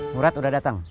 murad udah datang